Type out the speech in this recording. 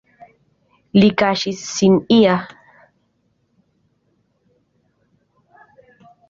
Li kaŝis sin ia.